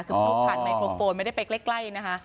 คือพกผ่านไมโครโฟนไม่ได้ไปใกล้นะคะ